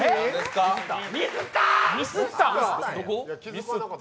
ミスった！